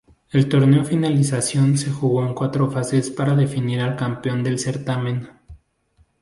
El Torneo Finalización se jugó en cuatro fases para definir al campeón del certamen.